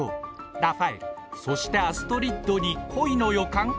ラファエルそしてアストリッドに恋の予感？